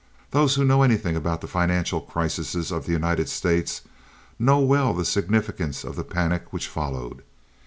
Those who know anything about the financial crises of the United States know well the significance of the panic which followed.